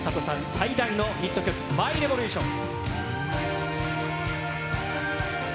最大のヒット曲、ＭｙＲｅｖｏｌｕｔｉｏｎ。